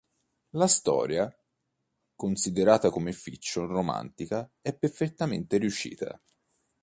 La storia, considerata come fiction romantica, è perfettamente riuscita.